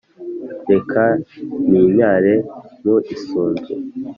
reka ninyare mu isunzu